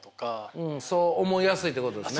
うんそう思いやすいってことですね。